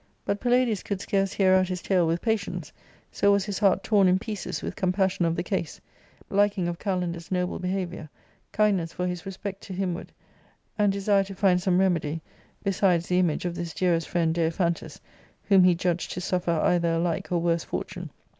But Palladius could scarce hear out his tale with patience, so was his heart torn in pieces with compassion of the case, liking of Kalander's noble behaviour, kindness for his respect to himward, and desire to find some remedy, besides the image of h'is dearest friend Dafphantu^, whom he judged to suffer either a like or worse fortune.